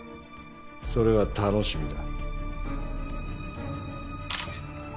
それは楽しみだ。